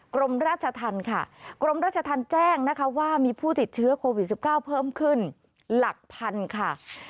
กรมราชธรรมค่ะกรมราชธรรมแจ้งนะคะว่ามีผู้ติดเชื้อโควิด๑๙เพิ่มขึ้นหลักพันค่ะ